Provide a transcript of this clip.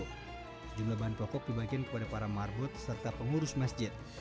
sejumlah bahan pokok dibagikan kepada para marbot serta pengurus masjid